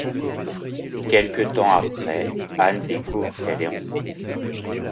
Quelque temps après, Anne découvre qu'elle est enceinte.